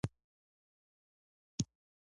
زما له خوا ورته ووایاست.